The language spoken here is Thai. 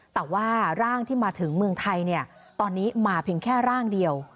แต่ว่าร่างที่มาถึงเมืองไทยตอนนี้มาเพียงแค่ร่างเดียว